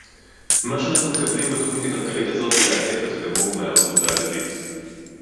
מה שאנחנו מקבלים בתוכנית הכלכלית הזאת זה ההיפך הגמור מהערבות ההדדית